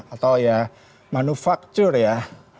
atau ya manufaktur ya